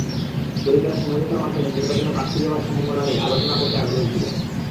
শরিকেরা সমঝোতার মাধ্যমে নির্বাচনে প্রার্থী দেওয়ার সম্ভাবনা নিয়ে আলোচনা করতে আগ্রহী ছিল।